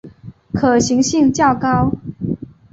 可行性较高